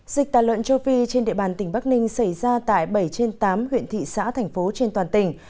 dịch tà lợn châu phi trên địa bàn tỉnh bắc ninh xảy ra tại bảy trên tám huyện thị xã thành phố trên toàn tỉnh